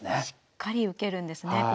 しっかり受けるんですね